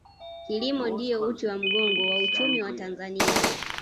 kilimo ndiyo uti wa mgongo wa uchumi wa tanzania